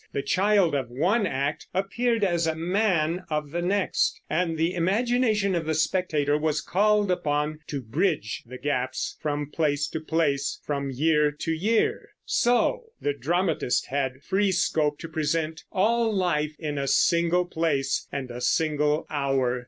The child of one act appeared as the man of the next, and the imagination of the spectator was called upon to bridge the gaps from place to place and from year to year. So the dramatist had free scope to present all life in a single place and a single hour.